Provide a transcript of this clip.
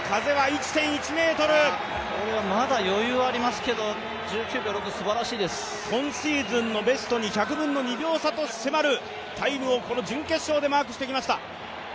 これはまだ余裕ありますが今シーズンのベストに１００分の２秒差と迫るタイムをこの準決勝でマークしてきました。